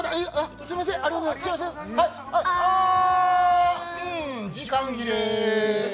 あーん、時間切れ！